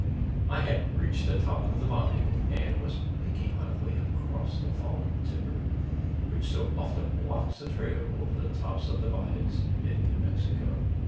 I had reached the top of the divide, and was picking my way across the fallen timber, which so often blocks the trail over the tops of divides in New Mexico.